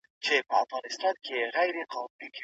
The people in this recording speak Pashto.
محصن زاني ته د شریعت له مخې سزا ورکول کیږي.